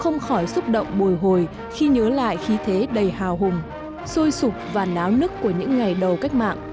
mới xúc động bồi hồi khi nhớ lại khí thế đầy hào hùng xôi sụp và náo nứt của những ngày đầu cách mạng